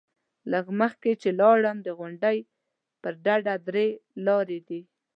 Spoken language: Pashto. لږ مخکې چې لاړم، د غونډۍ پر ډډه درې لارې دي.